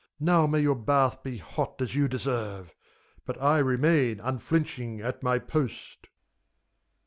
Now may your bath be hot as you deserve ! But I remain, unflinching, at my post.